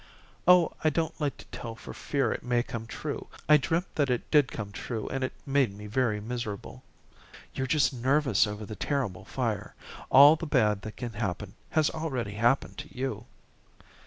"Oh, I don't like to tell for fear it may come true. I dreamed that it did come true and it made me very miserable." "You're just nervous over the terrible fire. All the bad that can happen has already happened to you."